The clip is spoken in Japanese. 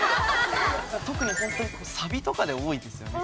特にホントにサビとかで多いですよね。